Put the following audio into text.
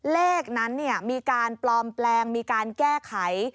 เลขนั้นมีการปลอมแปลงมีการแก้ไข